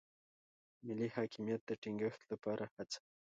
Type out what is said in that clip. ملي حاکمیت د ټینګښت لپاره هڅه.